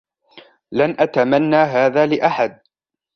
لن أتمنى هذا لأحد.